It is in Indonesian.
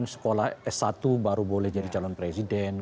sekolah s satu baru boleh jadi calon presiden